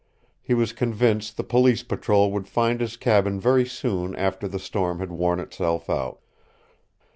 He was convinced the police patrol would find his cabin very soon after the storm had worn itself out.